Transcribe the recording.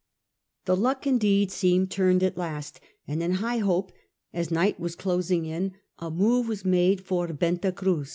The luck indeed seemed turned at lasf, and in high hope, as night was closing in, a move was made for Venta Cruz.